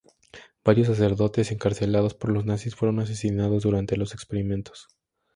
Varios sacerdotes encarcelados por los nazis fueron asesinados durante los experimentos.